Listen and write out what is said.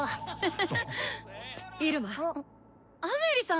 アメリさん！